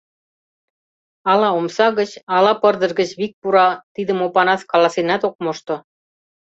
Ала омса гыч, ала пырдыж гыч вик пура — тидым Опанас каласенат ок мошто.